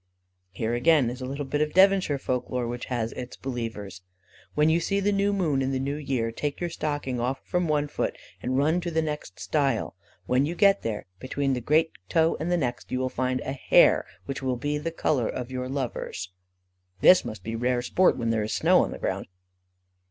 Here again is a little bit of Devonshire Folk lore which has its believers: "When you see the new moon in the new year, take your stocking off from one foot, and run to the next stile; when you get there, between the great toe and the next, you will find a hair which will be the colour of your lover's." This must be rare sport while there is snow on the ground.